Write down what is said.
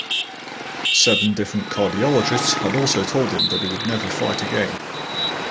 Seven different cardiologists had also told him that he would never fight again.